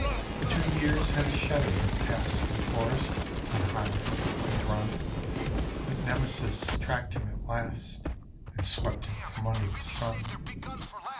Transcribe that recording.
Two years had his shadow been cast in forest, on highway, and run; But Nemesis tracked him at last, and swept him from under the sun.